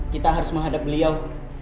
kita harus menghadap beliau